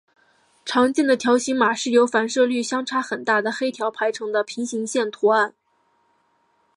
常见的条形码是由反射率相差很大的黑条排成的平行线图案。